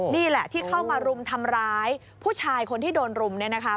นี่แหละที่เข้ามารุมทำร้ายผู้ชายคนที่โดนรุมเนี่ยนะคะ